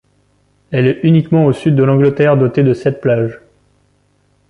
Elle est uniquement au sud de l'Angleterre dotée de sept plages.